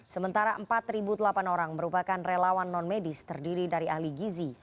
sementara empat delapan orang merupakan relawan non medis terdiri dari ahli gizi